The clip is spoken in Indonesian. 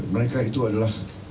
mereka itu adalah